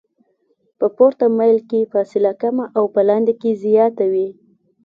په پورته میل کې فاصله کمه او په لاندې کې زیاته وي